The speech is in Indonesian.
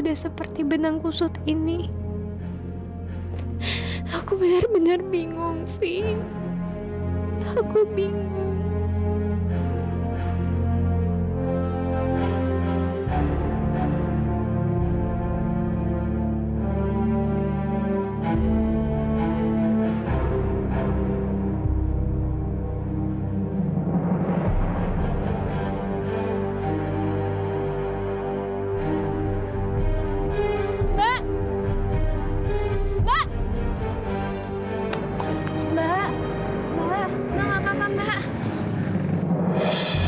tapi saya bukan livi saya salah orang mbak